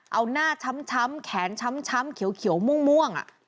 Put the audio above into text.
เอาหน้าช้ำแขนช้ำเขียวม่วง